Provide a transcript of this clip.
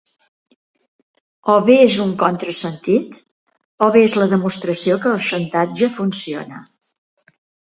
O bé és un contrasentit, o bé és la demostració que el xantatge funciona.